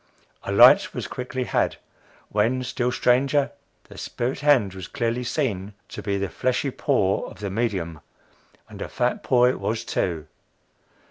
A light was quickly had, when, still stranger, the spirit hand was clearly seen to be the fleshy paw of the medium and a fat paw it was too.